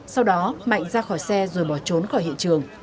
sau đó mạnh ra khỏi xe rồi bỏ trốn khỏi hiện trường